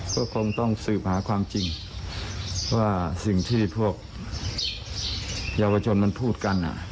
ก็คงต้องสืบหาความจริงว่าสิ่งที่พวกเยาวชนมันพูดกัน